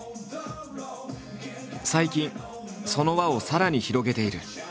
最近その輪をさらに広げている。